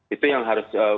itu yang harus diperhatikan